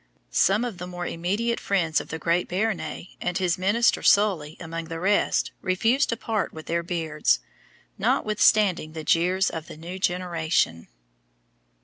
Some of the more immediate friends of the great Béarnais, and his minister Sully among the rest, refused to part with their beards, notwithstanding the jeers of the new generation.